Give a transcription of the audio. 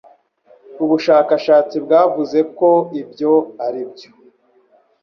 Ubushakashatsi bwavuze ko ibyo ari byo